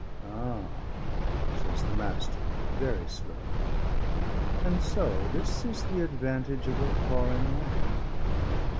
"Ah!" says the Master, very slowly. "And so this is the advantage of a foreign land!